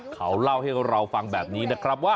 เขาเล่าให้เราฟังแบบนี้นะครับว่า